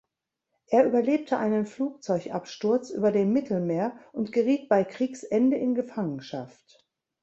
Er überlebte einen Flugzeugabsturz über dem Mittelmeer und geriet bei Kriegsende in Gefangenschaft.